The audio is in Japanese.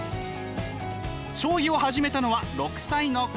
将棋を始めたのは６歳の頃。